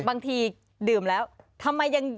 บางทีดื่มแล้วทำไมยัง